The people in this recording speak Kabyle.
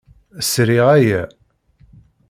Sriɣ aya.